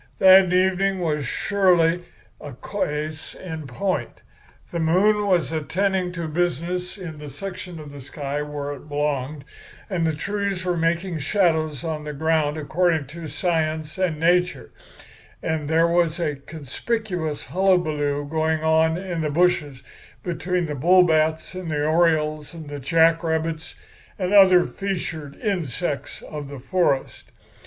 That evening was surely a case in point. The moon was attending to business in the section of sky where it belonged, and the trees was making shadows on the ground according to science and nature, and there was a kind of conspicuous hullabaloo going on in the bushes between the bullbats and the orioles and the jack rabbits and other feathered insects of the forest.